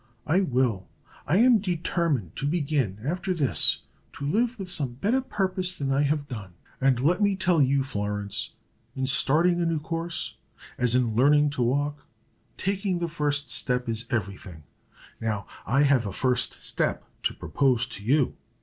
I will I am determined to begin, after this, to live with some better purpose than I have done." "And let me tell you, Florence, in starting a new course, as in learning to walk, taking the first step is every thing. Now, I have a first step to propose to you."